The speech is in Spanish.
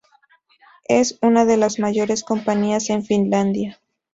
Es una de las mayores compañías en Finlandia.